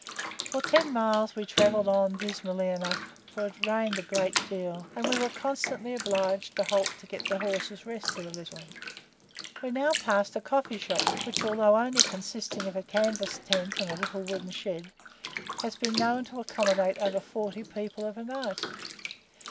For ten miles we travelled on dismally enough, for it rained a great deal, and we were constantly obliged to halt to get the horses rested a little. We now passed a coffee shop, which although only consisting of a canvas tent and little wooden shed, has been known to accommodate above forty people of a night.